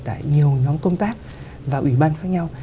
tại nhiều nhóm công tác và ủy ban khác nhau